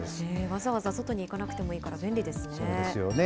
わざわざ外に行かなくてもいそうですよね。